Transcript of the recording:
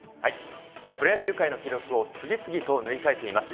プロ野球界の記録を次々と塗り替えています